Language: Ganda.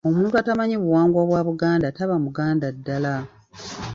Omuntu atamanyi buwangwa bwa Baganda taba Muganda ddala.